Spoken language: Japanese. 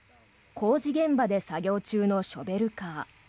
工事現場で作業中のショベルカー。